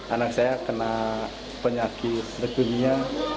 anak saya kena penyakit rekenia